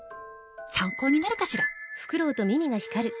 参考になるかしら？